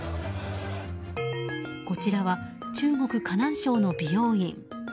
こちらは中国・河南省の美容院。